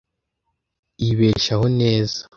Yibeshaho neza.